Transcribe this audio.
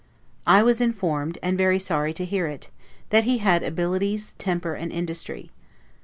I was informed, and very sorry to hear it, that he had abilities, temper, and industry.